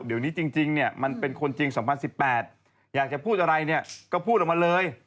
เดี๋ยวนี้จริงเนี่ยมันเป็นคนจริง๒๐๑๘อยากจะพูดอะไรเนี่ยก็พูดออกมาเลย